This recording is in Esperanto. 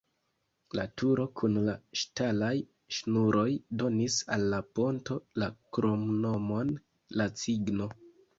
La turo kun la ŝtalaj ŝnuroj donis al la ponto la kromnomon "la cigno".